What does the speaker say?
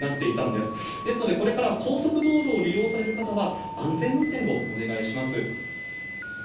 ですので、これから高速道路を利用される方は、安全運転をお願いします。